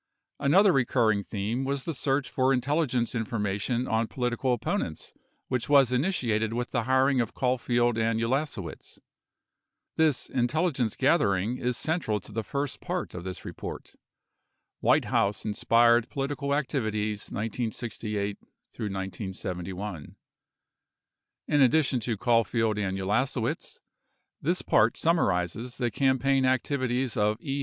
Another recurring theme was the search for intelligence informa tion on political opponents which was initiated with the hiring of Caulfield and ITlasewicz. This intelligence gathering is central to the first part of this report : White House Inspired Political Activities, 1968 71. In addition to Caulfield and Ulasewicz, this part summarizes the campaign activities of E.